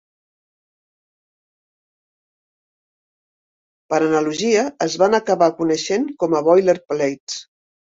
Per analogia, es van acabar coneixent com a "boilerplates".